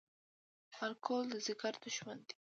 الکول د ځیګر دښمن دی